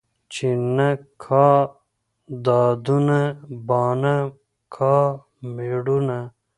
ـ چې نه کا دادونه بانه کا مېړونه.